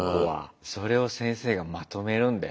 それを先生がまとめるんだよ。